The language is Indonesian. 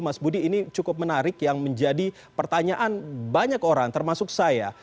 mas budi ini cukup menarik yang menjadi pertanyaan banyak orang termasuk saya